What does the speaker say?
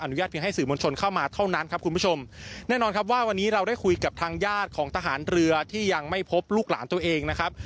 ญาตเพียงให้สื่อมวลชนเข้ามาเท่านั้นครับคุณผู้ชมแน่นอนครับว่าวันนี้เราได้คุยกับทางญาติของทหารเรือที่ยังไม่พบลูกหลานตัวเองนะครับ